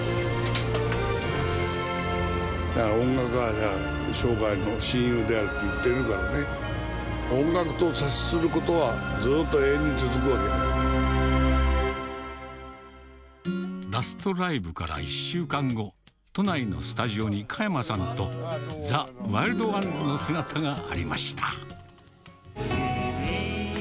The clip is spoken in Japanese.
だから音楽は生涯の親友であるって言ってるからね、音楽と接することは、ずっと永遠に続くわラストライブから１週間後、都内のスタジオに加山さんと、ザ・ワイルドワンズの姿がありました。